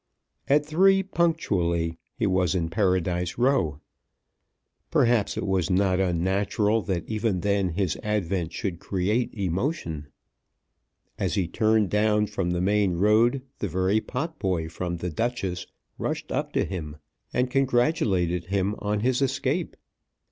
At 3.0 punctually he was in Paradise Row. Perhaps it was not unnatural that even then his advent should create emotion. As he turned down from the main road the very potboy from "The Duchess" rushed up to him, and congratulated him on his escape.